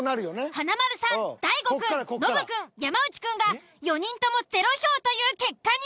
華丸さん大悟くんノブくん山内くんが４人ともゼロ票という結果に！